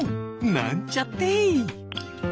なんちゃって。